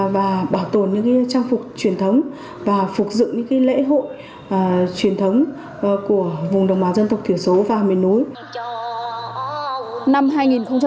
và bảo tồn những trang phục truyền thống và phục dựng những lễ hội truyền thống của vùng đồng bào dân tộc thiểu số và miền núi